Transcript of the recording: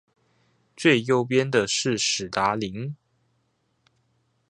最右邊的是史達林